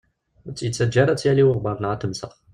Ur tt-yettaǧǧa ad tt-yali uɣebbar neɣ ad tewsex.